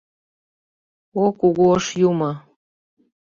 — О-о Кугу Ош Юмо!